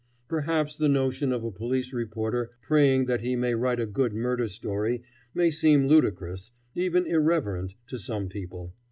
Perhaps the notion of a police reporter praying that he may write a good murder story may seem ludicrous, even irreverent, to some people.